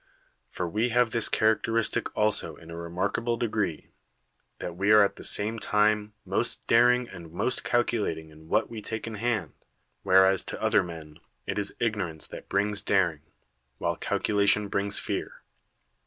For we have this characteristic also in a remarkable degree, that we are at the same time most daring and most calculating in what we take in hand, whereas to other men it is igno 20 M.l^ICl.l.S PERICLES ranee that brings daring, while calculation brings fear.